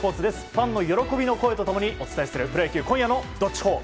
ファンの喜びの声とと共にお伝えするプロ野球今夜の「＃どっちほー」。